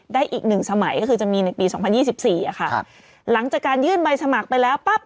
ได้อีกหนึ่งสมัยก็คือจะมีในปีสองพันยี่สิบสี่อะค่ะครับหลังจากการยื่นใบสมัครไปแล้วปั๊บ